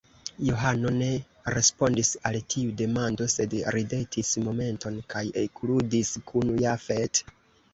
Johano ne respondis al tiu demando, sed ridetis momenton kaj ekludis kun Jafet.